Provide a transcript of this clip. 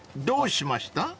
［どうしました？］